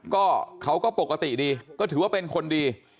ก็เขาก็ปกติดีก็ถือว่าเป็นคนดี